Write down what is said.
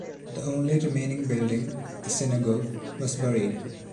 The only remaining building, a synagogue, was buried.